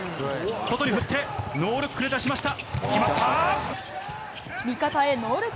外に振って、ノールックで出しました。